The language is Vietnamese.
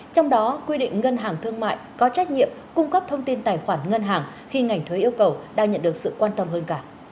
trong đó quy định ngân hàng thương mại có trách nhiệm cung cấp thông tin tài khoản ngân hàng khi ngành thuế yêu cầu đang nhận được sự quan tâm hơn cả